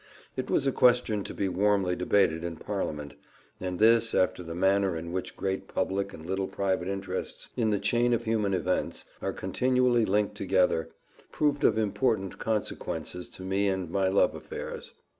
It was a question to be warmly debated in parliament; and this, after the manner in which great public and little private interests, in the chain of human events, are continually linked together, proved of important consequence to me and my love affairs.